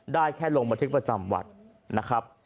ได้แค่ลงบันทึกประจำวัดนะครับ